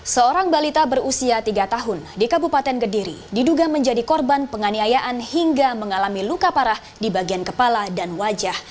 seorang balita berusia tiga tahun di kabupaten kediri diduga menjadi korban penganiayaan hingga mengalami luka parah di bagian kepala dan wajah